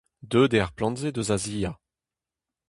Deuet eo ar plant-se eus Azia.